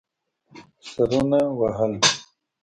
سرونه وهل.